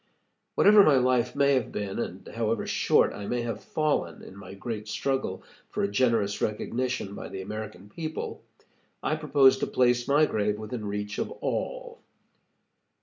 Whatever my life may have been, and however short I may have fallen in my great struggle for a generous recognition by the American people, I propose to place my grave within reach of all.